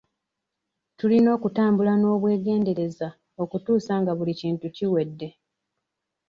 Tulina okutambula n'obwegendereza okutuusa nga buli kintu kiwedde.